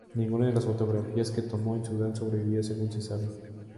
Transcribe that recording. Ninguna de las fotografías que tomó en Sudán sobrevivió, según se sabe.